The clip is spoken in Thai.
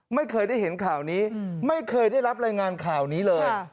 ไม่เคยได้เห็นข่าวนี้ไม่เคยได้รับรายงานข่าวนี้เลย